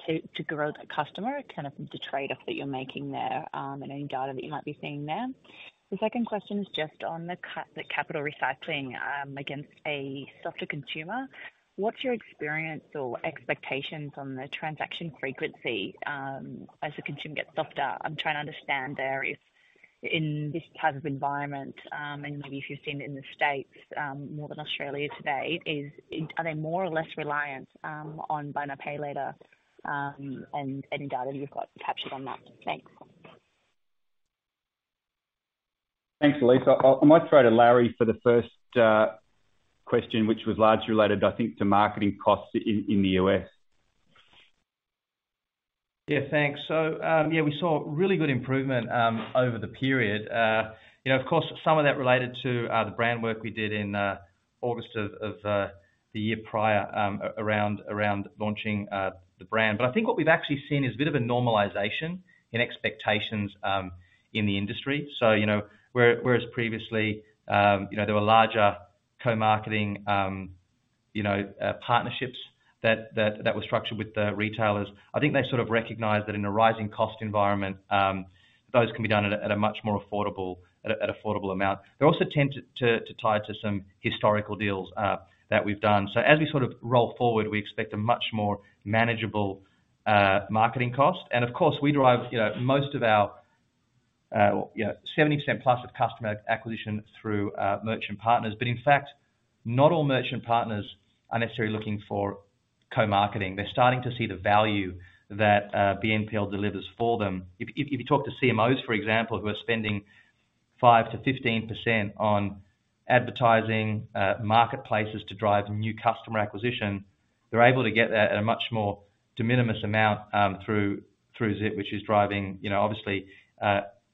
to grow the customer, kind of the trade-off that you're making there, and any data that you might be seeing there. The second question is just on the capital recycling against a softer consumer. What's your experience or expectations on the transaction frequency as the consumer gets softer? I'm trying to understand there if in this type of environment, and maybe if you've seen it in the States, more than Australia today, are they more or less reliant on buy now, pay later, and any data you've got captured on that? Thanks. Thanks, Elise. I might throw to Larry for the first question, which was largely related, I think, to marketing costs in the U.S. Thanks. We saw really good improvement over the period. You know, of course, some of that related to the brand work we did in August of the year prior, around launching the brand. I think what we've actually seen is a bit of a normalization in expectations in the industry. You know, whereas previously, you know, there were larger co-marketing, You know, partnerships that was structured with the retailers. I think they sort of recognized that in a rising cost environment, those can be done at a much more affordable, at affordable amount. They're also tend to tie to some historical deals that we've done. As we sort of roll forward, we expect a much more manageable marketing cost. Of course, we derive, you know, most of our, you know, 70% plus of customer acquisition through merchant partners. In fact, not all merchant partners are necessarily looking for co-marketing. They're starting to see the value that BNPL delivers for them. If you talk to CMOs, for example, who are spending 5%-15% on advertising marketplaces to drive new customer acquisition, they're able to get that at a much more de minimis amount through Zip, which is driving, you know, obviously,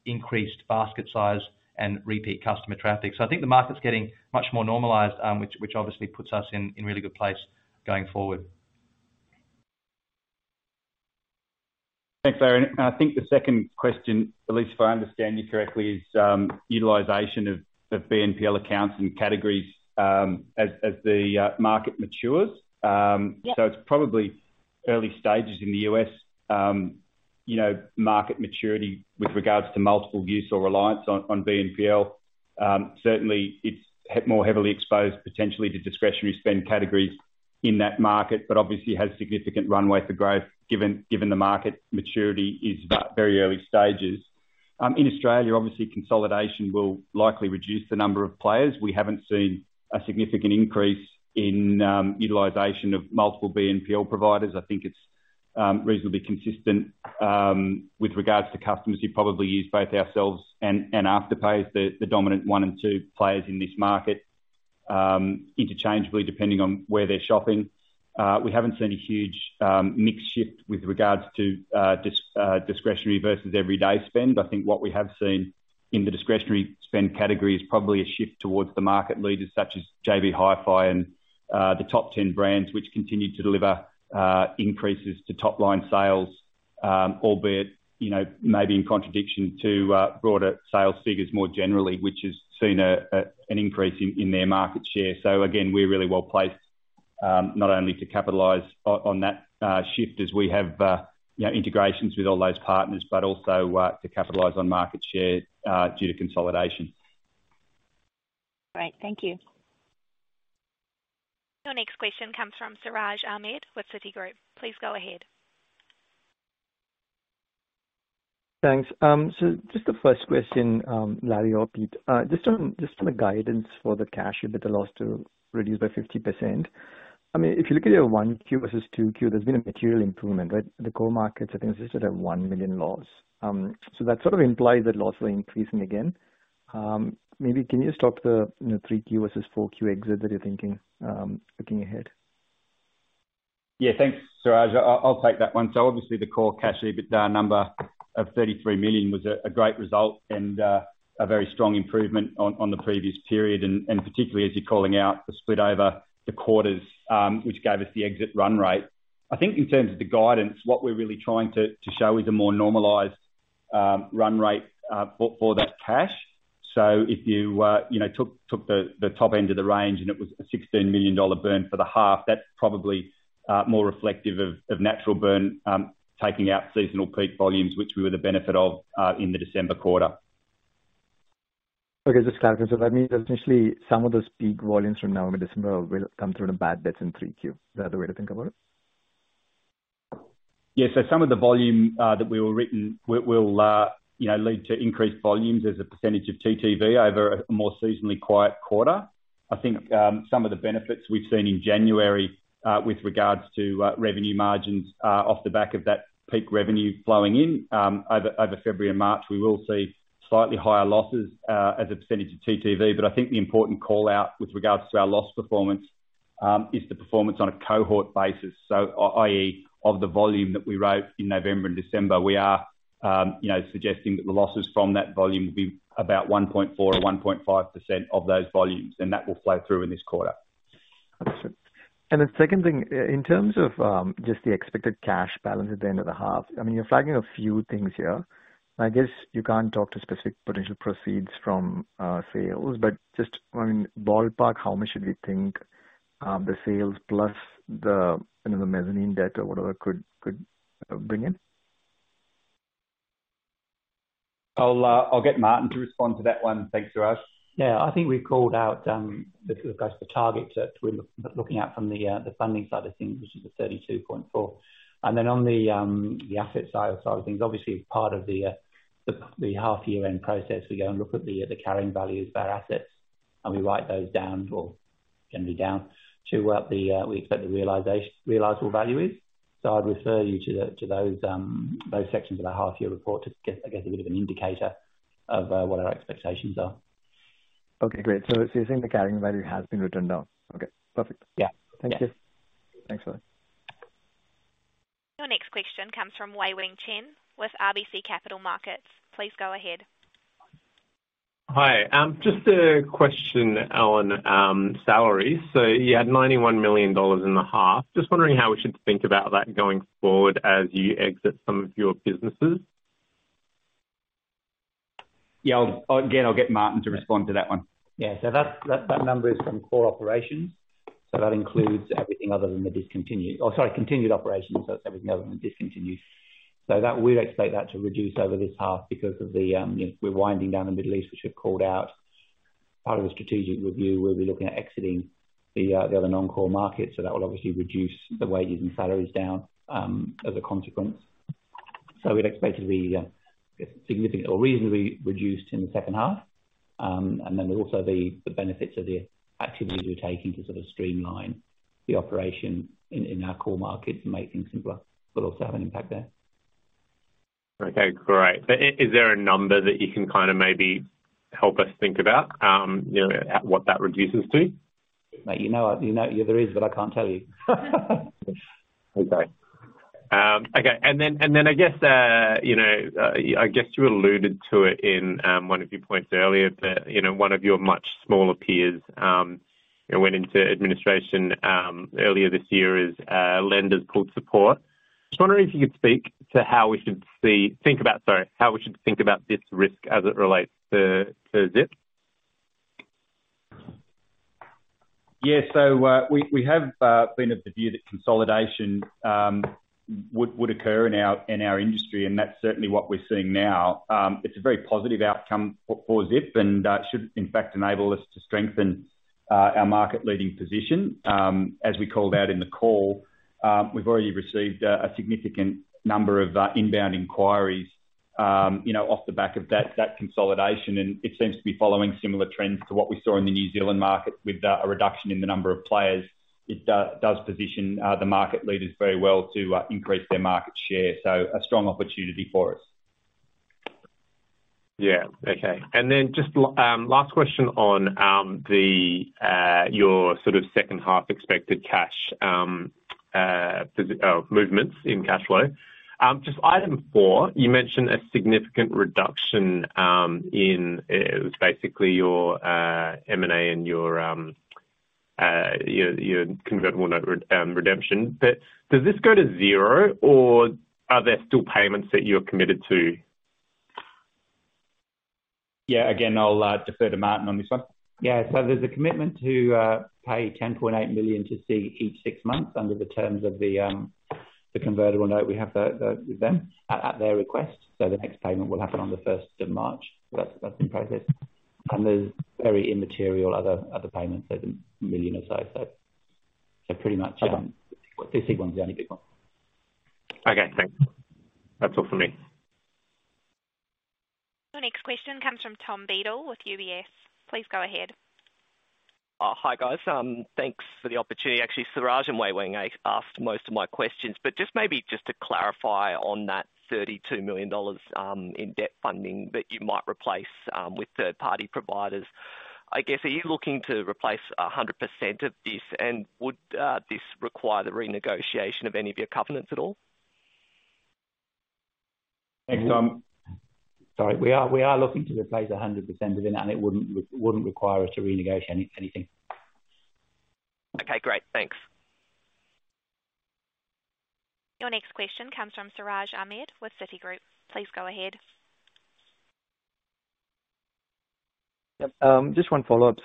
increased basket size and repeat customer traffic. I think the market's getting much more normalized, which obviously puts us in really good place going forward. Thanks, Larry. I think the second question, at least if I understand you correctly, is utilization of BNPL accounts and categories as the market matures. Yeah. It's probably early stages in the US, you know, market maturity with regards to multiple use or reliance on BNPL. Certainly it's more heavily exposed potentially to discretionary spend categories in that market, but obviously has significant runway for growth given the market maturity is at very early stages. In Australia, obviously consolidation will likely reduce the number of players. We haven't seen a significant increase in utilization of multiple BNPL providers. I think it's reasonably consistent. With regards to customers, you've probably used both ourselves and Afterpay is the dominant one and two players in this market, interchangeably, depending on where they're shopping. We haven't seen a huge mix shift with regards to discretionary versus everyday spend. I think what we have seen in the discretionary spend category is probably a shift towards the market leaders such as JB Hi-Fi and the top 10 brands, which continue to deliver increases to top-line sales. Albeit, you know, maybe in contradiction to broader sales figures more generally, which has seen an increase in their market share. Again, we're really well placed, not only to capitalize on that shift as we have, you know, integrations with all those partners, but also to capitalize on market share due to consolidation. Great. Thank you. Your next question comes from Siraj Ahmed with Citigroup. Please go ahead. Thanks. Just the first question, Larry or Pete, just on the guidance for the cash EBITDA loss to reduce by 50%. I mean, if you look at your one Q versus two Q, there's been a material improvement, right? The core markets, I think, is just at 1 million loss. Maybe can you just talk to the, you know, three Q versus four Q exit that you're thinking, looking ahead? Yeah. Thanks, Siraj. I'll take that one. Obviously, the core cash EBITDA number of 33 million was a great result and a very strong improvement on the previous period, and particularly as you're calling out the split over the quarters, which gave us the exit run rate. I think in terms of the guidance, what we're really trying to show is a more normalized run rate for that cash. If you know, took the top end of the range and it was a $16 million burn for the half, that's probably more reflective of natural burn, taking out seasonal peak volumes, which we were the benefit of in the December quarter. Okay. Just clarifying. That means essentially some of those peak volumes from November, December will come through the bad debts in 3Q. Is that the way to think about it? Yeah. Some of the volume that we were written will, you know, lead to increased volumes as a percentage of TTV over a more seasonally quiet quarter. I think, some of the benefits we've seen in January, with regards to, revenue margins, off the back of that peak revenue flowing in, over February and March. We will see slightly higher losses, as a percentage of TTV. I think the important call-out with regards to our loss performance, is the performance on a cohort basis. So ie, of the volume that we wrote in November and December, we are, you know, suggesting that the losses from that volume will be about 1.4%-1.5% of those volumes, and that will flow through in this quarter. Understood. The second thing, in terms of, just the expected cash balance at the end of the half, I mean, you're flagging a few things here, and I guess you can't talk to specific potential proceeds from, sales, but just, I mean, ballpark, how much should we think, the sales plus the, you know, the mezzanine debt or whatever could bring in? I'll get Martin to respond to that one. Thanks, Siraj. Yeah. I think we called out, with regards to the target that we're looking at from the funding side of things, which is 32.4. On the asset side of things, obviously part of the half-year end process, we go and look at the carrying values of our assets and we write those down or generally down to what we expect the realizable value is. I'd refer you to those sections of our half-year report to get, I guess, a bit of an indicator of what our expectations are. Okay, great. You're saying the carrying value has been written down. Okay, perfect. Yeah. Thank you. Yeah. Thanks a lot. Your next question comes from Wei-Ling Chin with RBC Capital Markets. Please go ahead. Hi. Just a question on salaries. You had 91 million dollars in the half. Just wondering how we should think about that going forward as you exit some of your businesses? Yeah, again, I'll get Martin to respond to that one. That's, that number is from core operations. That includes everything other than the continued operations. Everything other than discontinued. We'd expect that to reduce over this half because of the, you know, we're winding down the Middle East, which we've called out. Part of the strategic review, we'll be looking at exiting the other non-core markets. That will obviously reduce the wages and salaries down as a consequence. We'd expect it to be significantly or reasonably reduced in the second half. There'll also be the benefits of the activities we're taking to sort of streamline the operation in our core markets and make things simpler. We'll also have an impact there. Okay, great. Is there a number that you can kind of maybe help us think about, you know, at what that reduces to? Mate, you know, there is, but I can't tell you. Okay. Okay. I guess, you know, I guess you alluded to it in, one of your points earlier that, you know, one of your much smaller peers, you know, went into administration earlier this year as lenders pulled support. Just wondering if you could speak to how we should think about this risk as it relates to Zip? Yeah. We have been of the view that consolidation would occur in our industry, and that's certainly what we're seeing now. It's a very positive outcome for Zip, and should in fact enable us to strengthen our market-leading position. As we called out in the call, we've already received a significant number of inbound inquiries, you know, off the back of that consolidation. It seems to be following similar trends to what we saw in the New Zealand market with a reduction in the number of players. It does position the market leaders very well to increase their market share, so a strong opportunity for us. Yeah. Okay. Just last question on the your sort of second half expected cash or movements in cash flow. Just item four, you mentioned a significant reduction in it was basically your M&A and your your convertible note redemption. Does this go to zero, or are there still payments that you're committed to? Yeah. Again, I'll defer to Martin on this one. Yeah. There's a commitment to pay 10.8 million to CVI each 6 months under the terms of the convertible note we have with them at their request. The next payment will happen on the 1st of March. That's in process. There's very immaterial other payments. There's 1 million or so. Pretty much. Okay. This one's the only big one. Okay. Thanks. That's all for me. Your next question comes from Tom Beadle with UBS. Please go ahead. Hi, guys. Thanks for the opportunity. Actually, Siraj and Wei Wei asked most of my questions. Just maybe just to clarify on that 32 million dollars, in debt funding that you might replace, with third-party providers. I guess, are you looking to replace 100% of this, and would, this require the renegotiation of any of your covenants at all? Thanks, Tom. Sorry. We are looking to replace 100% of it wouldn't require us to renegotiate anything. Okay. Great. Thanks. Your next question comes from Siraj Ahmed with Citigroup. Please go ahead. Yep. Just one follow-up.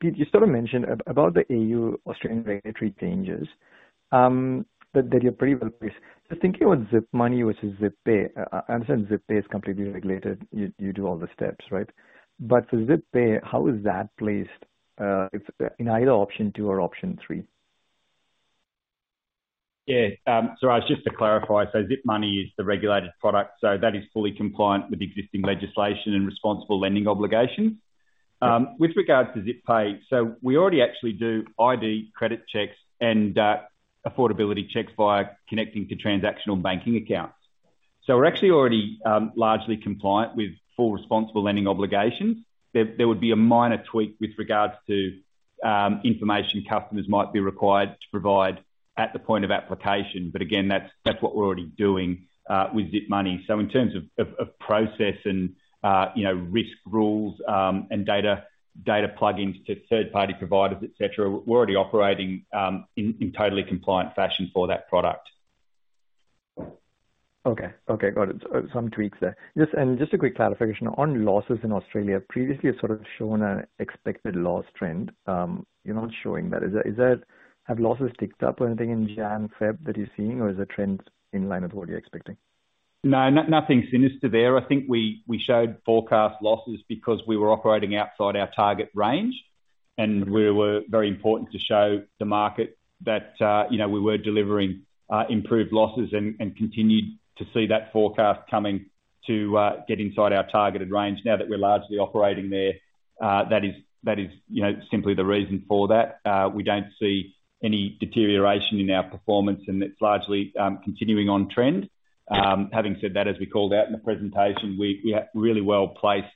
Pete, you sort of mentioned about the Australian regulatory changes, that you're pretty well placed. Thinking about Zip Money versus Zip Pay, I understand Zip Pay is completely regulated. You do all the steps, right? For Zip Pay, how is that placed in either option two or option three? Siraj, just to clarify, Zip Money is the regulated product, so that is fully compliant with existing legislation and responsible lending obligations. Yep. With regards to Zip Pay. We already actually do ID credit checks and affordability checks via connecting to transactional banking accounts. We're actually already largely compliant with full responsible lending obligations. There would be a minor tweak with regards to information customers might be required to provide at the point of application. Again, that's what we're already doing with Zip Money. In terms of process and, you know, risk rules, and data plug-ins to third-party providers, et cetera, we're already operating in totally compliant fashion for that product. Okay. Okay. Got it. Some tweaks there. Just a quick clarification. On losses in Australia, previously you've sort of shown an expected loss trend. You're not showing that. Have losses ticked up or anything in January, February that you're seeing, or is the trend in line with what you're expecting? No. Nothing sinister there. I think we showed forecast losses because we were operating outside our target range, and we were very important to show the market that, you know, we were delivering improved losses and continued to see that forecast coming to get inside our targeted range. Now that we're largely operating there, that is, you know, simply the reason for that. We don't see any deterioration in our performance, and it's largely continuing on trend. Having said that, as we called out in the presentation, we are really well placed,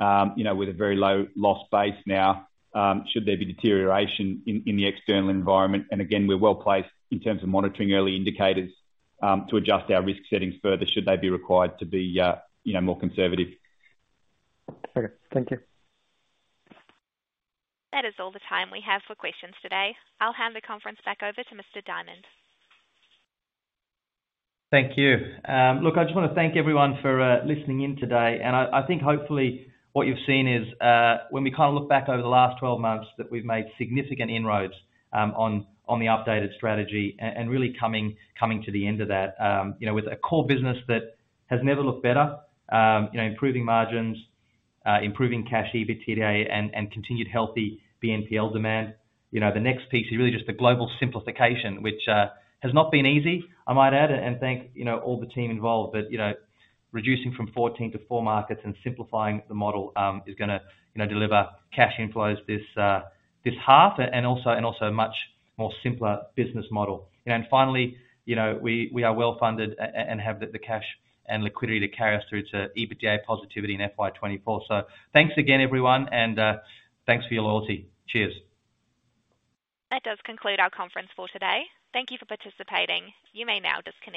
you know, with a very low loss base now, should there be deterioration in the external environment. Again, we're well-placed in terms of monitoring early indicators, to adjust our risk settings further, should they be required to be, you know, more conservative. Okay. Thank you. That is all the time we have for questions today. I'll hand the conference back over to Mr. Diamond. Thank you. Look, I just want to thank everyone for listening in today. I think hopefully what you've seen is when we kind of look back over the last 12 months, that we've made significant inroads on the updated strategy and really coming to the end of that, you know, with a core business that has never looked better, you know, improving margins, improving cash EBITDA and continued healthy BNPL demand. You know, the next piece is really just the global simplification, which has not been easy, I might add, and thank, you know, all the team involved. You know, reducing from 14 to 4 markets and simplifying the model is going to, you know, deliver cash inflows this half and also a much more simpler business model. Finally, you know, we are well-funded and have the cash and liquidity to carry us through to EBITDA positivity in FY 2024. Thanks again, everyone, and thanks for your loyalty. Cheers. That does conclude our conference for today. Thank you for participating. You may now disconnect.